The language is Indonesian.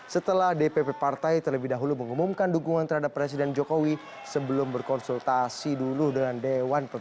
setelah dpp partai golkar dpp partai golkar yang dipimpin oleh steno fanto